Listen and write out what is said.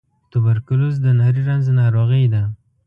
توبرکلوز د نري رنځ ناروغۍ ده.